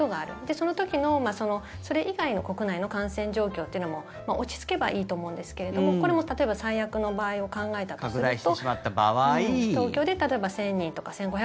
その時の、それ以外の国内の感染状況というのも落ち着けばいいと思うんですけれどもこれも例えば最悪の場合を考えたとすると。